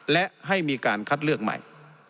และให้มีการคัดเลือกใหม่